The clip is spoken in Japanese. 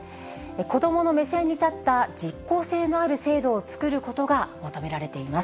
子どもの目線に立った実効性のある制度を作ることが求められています。